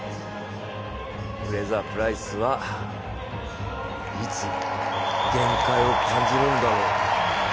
フレイザー・プライスは、いつ限界を感じるんだろう。